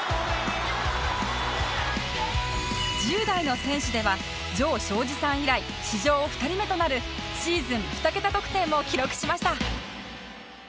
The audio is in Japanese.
１０代の選手では城彰二さん以来史上２人目となるシーズン２桁得点を記録しました